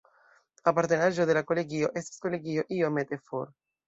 Apartenaĵo de la kolegio estas kolegio iomete for.